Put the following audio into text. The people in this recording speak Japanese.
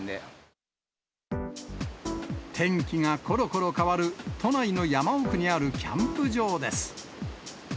天気がころころ変わる都内の山奥にあるキャンプ場です。